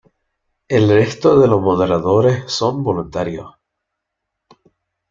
El resto de los moderadores son voluntarios.